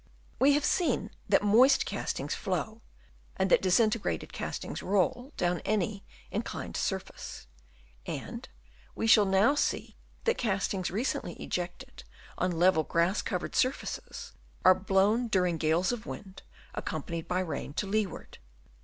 — We have seen that moist castings flow, and that disintegrated castings roll down any inclined surface ; and we shall now see that castings, recently ejected on level grass covered, surfaces, are blown during gales of wind ac companied by rain to leeward.